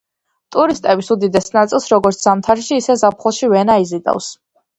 ტურისტების უდიდეს ნაწილს, როგორც ზამთარში, ისე ზაფხულში, ვენა იზიდავს.